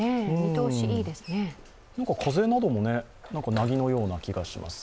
風などもなぎのような感じがします。